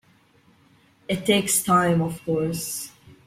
It takes time of course.